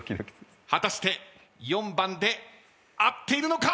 果たして４番で合っているのか！？